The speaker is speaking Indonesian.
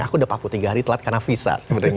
aku udah paku tiga hari telat karena visa